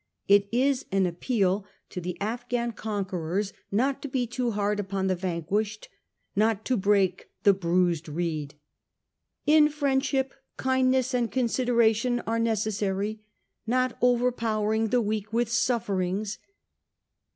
It is an appeal to the 248 A HISTORY OF OUR OWN TIMES. cn. it. Afghan conquerors not to he too hard upon the vanquished; not to break the bruised reed. 'In friendship, kindness and consideration are neces sary, not overpowering the weak with sufferings!